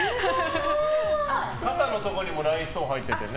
肩のところにもラインストーンあってね。